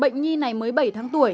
bệnh nhi này mới bảy tháng tuổi